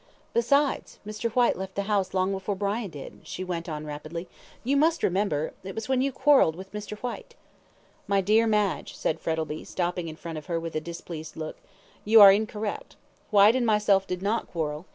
"Besides, Mr. Whyte left the house long before Brian did," she went on rapidly. "You must remember it was when you quarrelled with Mr. Whyte." "My dear Madge," said Frettlby, stopping in front of her with a displeased look, "you are incorrect Whyte and myself did not quarrel.